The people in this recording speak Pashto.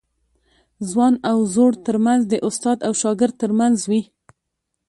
ځوان او زوړ ترمنځ د استاد او شاګرد ترمنځ وي.